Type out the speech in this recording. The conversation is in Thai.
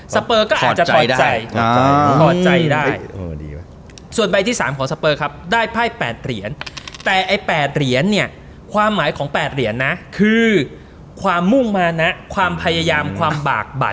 เปอร์ก็อาจจะถอดใจถอดใจได้ส่วนใบที่๓ของสเปอร์ครับได้ไพ่๘เหรียญแต่ไอ้๘เหรียญเนี่ยความหมายของ๘เหรียญนะคือความมุ่งมานะความพยายามความบากบัด